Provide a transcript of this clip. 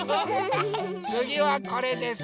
つぎはこれです！